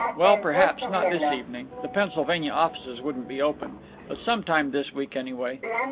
Well, perhaps not this evening—the Pennsylvania offices wouldn't be open, but some time this week, anyway.